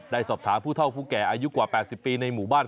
ได้สอบถามผู้เท่าผู้แก่อายุกว่า๘๐ปีในหมู่บ้าน